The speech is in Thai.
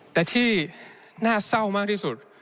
แต่ที่น่าเศร้ามากที่สุด